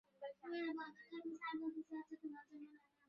তাঁহার ধর্মে ঐকান্তিকী আস্থাও চিরকাল ছিল, এ কথাও শুনিলাম।